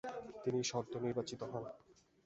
তিনি সদস্য নির্বাচিত হন।